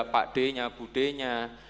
pak d nya bu d nya